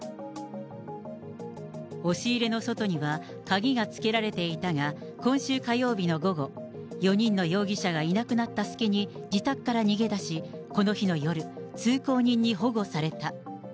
押し入れの外には鍵がつけられていたが、今週火曜日の午後、４人の容疑者がいなくなった隙に自宅から逃げ出し、この日の夜、通行人に保護された。